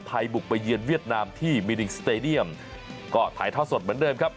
ถ่ายบุกประเยินเวียดนามที่มิลลิงก์สเตดียมก็ถ่ายทอดสดเหมือนเดิมครับ